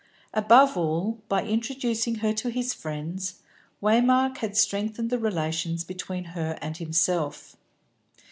Above all, by introducing her to his friends, Waymark had strengthened the relations between her and himself.